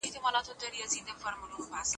سترګي ما درته درکړي چي مي وکړې دیدنونه